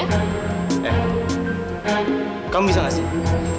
eh kamu bisa gak sih